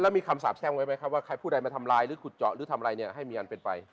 มีคำสาบแช่งไว้ไหมครับว่าใครผู้ใดมาทำลายหรือขุดเจาะหรือทำอะไรเนี่ยให้มีอันเป็นไป